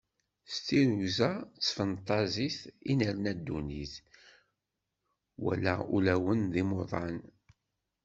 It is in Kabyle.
S tirrugza d tfenṭaẓit i nerna ddunit, wamma ulawen d imuḍan.